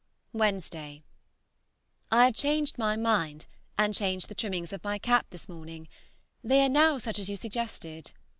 ... Wednesday. I have changed my mind, and changed the trimmings of my cap this morning; they are now such as you suggested.